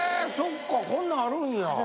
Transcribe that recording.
そっかこんなんあるんや。